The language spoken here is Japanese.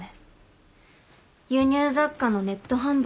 輸入雑貨のネット販売。